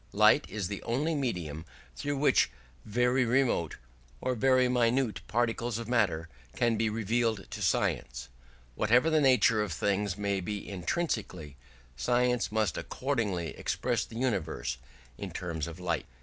Light is the only medium through which very remote or very minute particles of matter can be revealed to science. Whatever the nature of things may be intrinsically, science must accordingly express the universe in terms of light.